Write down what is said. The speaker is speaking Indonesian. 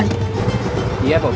nah tandar dua